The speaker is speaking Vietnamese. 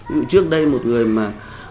ví dụ trước đây một người mà